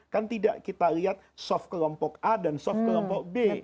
kan tidak kita lihat soft kelompok a dan soft kelompok b